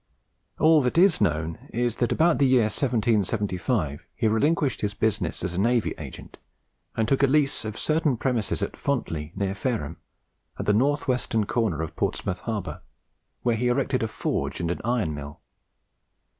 All that is known is, that about the year 1775 he relinquished his business as a navy agent, and took a lease of certain premises at Fontley, near Fareham, at the north western corner of Portsmouth Harbour, where he erected a forge and an iron mill.